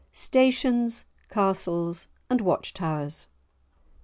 Stations, Castles and Watch towers.